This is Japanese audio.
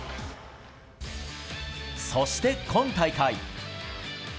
そして、今大会。